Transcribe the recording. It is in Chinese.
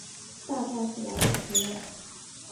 大概是来不及了